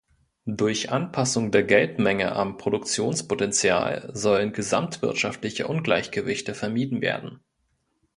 Durch Anpassung der Geldmenge am Produktionspotenzial sollen gesamtwirtschaftliche Ungleichgewichte vermieden werden.